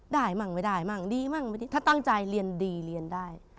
ได้มั้งไม่ได้มั้งดีมั้งไม่ได้ถ้าตั้งใจเรียนดีเรียนได้